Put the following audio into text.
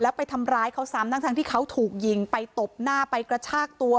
แล้วไปทำร้ายเขาซ้ำทั้งที่เขาถูกยิงไปตบหน้าไปกระชากตัว